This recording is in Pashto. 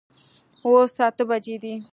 اوس اته بجي دي